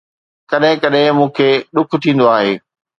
ڪڏهن ڪڏهن مون کي ڏک ٿيندو آهي